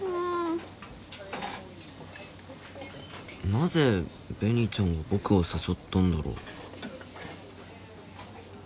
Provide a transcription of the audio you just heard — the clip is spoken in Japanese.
なぜ紅ちゃんは僕を誘ったんだろう？